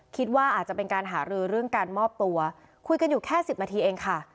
คิดว่าอาจจะเป็นการหารือเรื่องการมอบตัวคุยกันอยู่แค่สิบนาทีเองค่ะ